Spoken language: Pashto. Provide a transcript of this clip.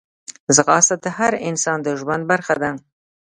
ځغاسته د هر انسان د ژوند برخه ده